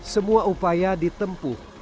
semua upaya ditempuh